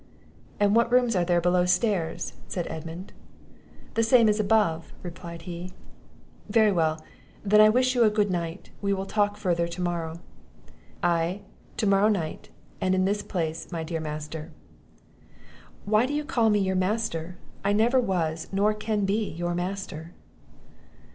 "And what rooms are there below stairs," said Edmund? "The same as above," replied he. "Very well; then I wish you a good night, we will talk further to morrow." "Aye, to morrow night; and in this place, my dear master." "Why do you call me your master? I never was, nor ever can be, your master."